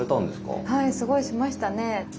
はいすごいしましたね。